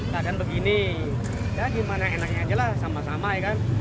keadaan begini ya gimana enaknya aja lah sama sama ya kan